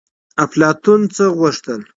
افلاطون څه غوښتل؟